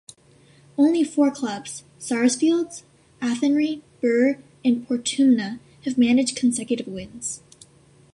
Only four clubs -Sarsfields, Athenry, Birr and Portumna - have managed consecutive wins.